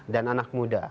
dan anak muda